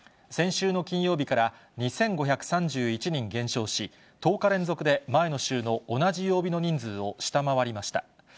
先週の金曜日から２５３１人減少し、１０日連続で前の週の同じ曜日の人数を下回りました。